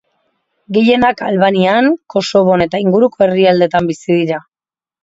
Gehienak Albanian, Kosovon eta inguruko herrialdetan bizi dira.